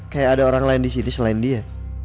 kayak ada orang lain disini selain dia